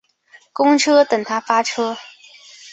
公车等他发车